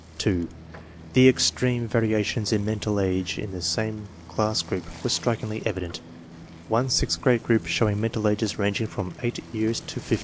2. The extreme variations in mental age in the same class group were strikingly evident, one sixth grade group showing mental ages ranging from 8 years to 15.